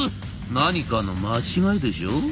「何かの間違いでしょう？」。